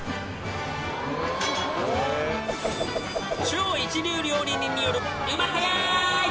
［超一流料理人によるうまはやい！］